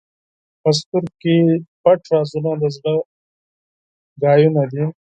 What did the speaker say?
په سترګو کې پټ رازونه د زړه خبرې دي.